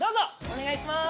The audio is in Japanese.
お願いします。